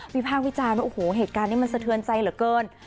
ภาควิจารณ์ว่าโอ้โหเหตุการณ์นี้มันสะเทือนใจเหลือเกิน